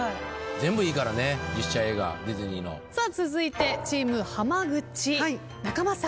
全部いいからね実写映画ディズニーの。さあ続いてチーム浜口中間さん。